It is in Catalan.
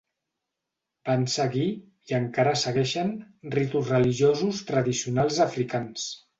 Van seguir, i encara segueixen, ritus religiosos tradicionals africans.